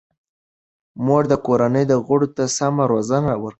مور د کورنۍ غړو ته سمه روزنه ورکوي.